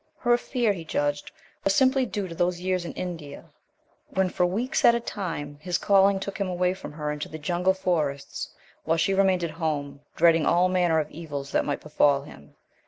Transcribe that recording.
Her fear, he judged, was simply due to those years in India, when for weeks at a time his calling took him away from her into the jungle forests, while she remained at home dreading all manner of evils that might befall him.